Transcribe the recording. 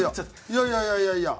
いやいやいやいやいや！